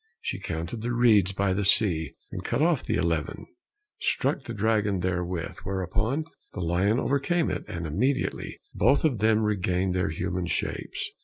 She counted the reeds by the sea, and cut off the eleventh, struck the dragon therewith, whereupon the lion overcame it, and immediately both of them regained their human shapes.